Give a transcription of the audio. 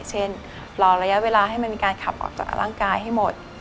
เช่นรอระยะเวลาให้มันมีการขับออกจากร่างกายให้หมด